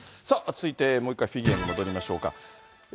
さあ、続いてもう一回フィギュアに戻りましょうか。